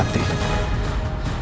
harus membongkar semua ini